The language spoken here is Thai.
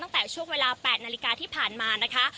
ตั้งแต่ช่วงเวลา๘นาฬิกาที่ผ่านมานะคะ